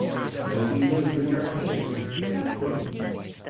No visas for Europeans, except Britain.